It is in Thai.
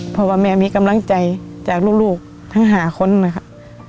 เพราะว่าแม่มีกำลังใจจากลูกทั้ง๕คนนะครับ